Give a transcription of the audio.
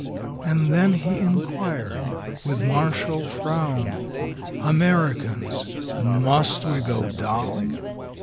And then he inquired, with martial frown, "Americans, must we go down?"